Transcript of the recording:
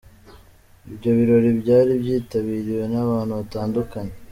Ibyo birori byari byitabiriwe n’abantu batandukanye.